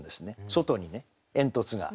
外にね煙突が。